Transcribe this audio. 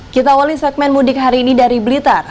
kita awali segmen mudik hari ini dari blitar